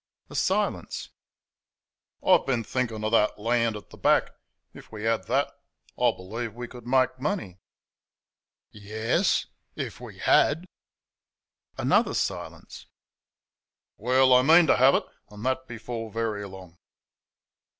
A silence. "I've been thinking of that land at the back if we had that I believe we could make money." "Yairs if we HAD." Another silence. "Well, I mean to have it, and that before very long."